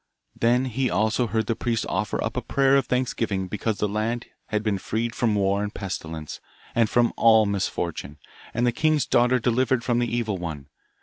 Then he also heard the priest offer up a prayer of thanksgiving because the land had been freed from war and pestilence, and from all misfortune, and the king's daughter delivered from the evil one.